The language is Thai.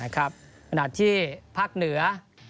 ขณะที่ภาคเหนือ